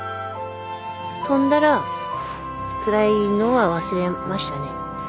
飛んだらつらいのは忘れましたね。